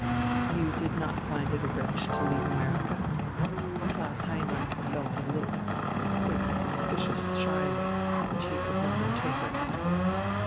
"You did not find it a wrench to leave America?" Klaus Heinrich felt a look, a quick, suspicious, shy look, which he could not interpret.